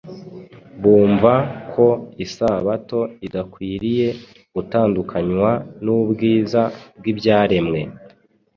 bumva ko Isabato idakwiriye gutandukanywa n’ubwiza bw’ibyaremwe.